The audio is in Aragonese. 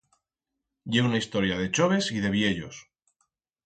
Ye una historia de choves y de viellos.